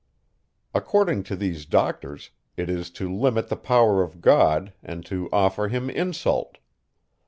According to these doctors, it is to limit the power of God, and to offer him insult.